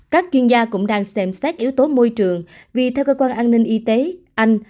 các chuyên gia cũng đang xem xét yếu tố môi trường vì theo cơ quan an ninh y tế anh